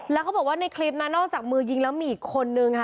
แล้วเขาบอกว่าในคลิปนะนอกจากมือยิงแล้วมีอีกคนนึงค่ะ